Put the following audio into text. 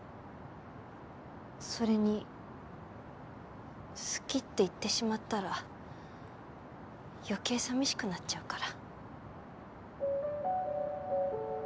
それに好きって言ってしまったら余計寂しくなっちゃうから。